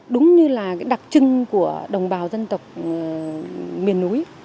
đúng như là đặc trưng của đồng bào dân tộc miền núi